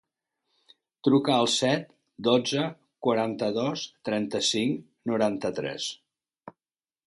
Truca al set, dotze, quaranta-dos, trenta-cinc, noranta-tres.